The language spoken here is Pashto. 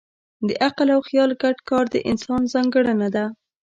د عقل او خیال ګډ کار د انسان ځانګړنه ده.